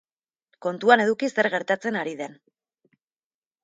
Kontuan eduki zer gertatzen ari den.